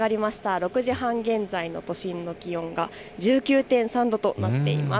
６時半現在の都心の気温が１９．３度となっています。